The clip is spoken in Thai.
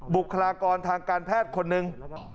บุคลากรทางการแพทย์คนหนึ่ง